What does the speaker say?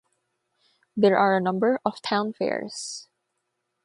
There are a number of townfaires.